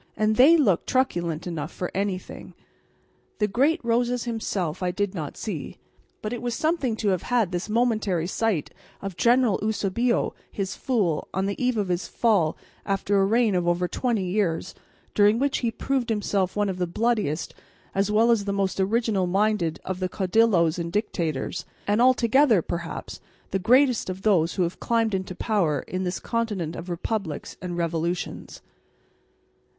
And they looked truculent enough for anything. The great Rosas himself I did not see, but it was something to have had this momentary sight of General Eusebio, his fool, on the eve of his fall after a reign of over twenty years, during which he proved himself one of the bloodiest as well as the most original minded of the Caudillos and Dictators, and altogether, perhaps, the greatest of those who have climbed into power in this continent of republics and revolutions.